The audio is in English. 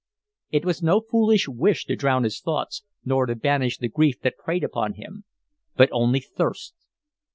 It was no foolish wish to drown his thoughts nor to banish the grief that preyed upon him, but only thirst!